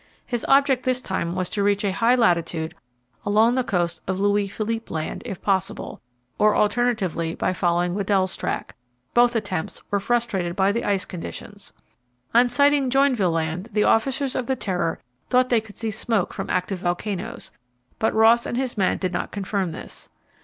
His object this time was to reach a high latitude along the coast of Louis Philippe Land, if possible, or alternatively by following Weddell's track. Both attempts were frustrated by the ice conditions. On sighting Joinville Land, the officers of the Terror thought they could see smoke from active volcanoes, but Ross and his men did not confirm this.